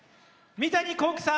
三谷幸喜さん